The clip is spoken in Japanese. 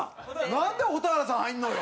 なんで蛍原さん入るのよ！